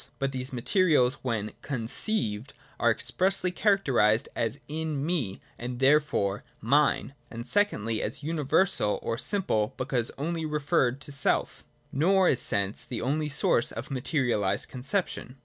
But these materials when conceived are expressly characterised as in me and therefore mine : and secondly, as universal, or simple, because only referred to self Nor is sense the only source of materialised conception.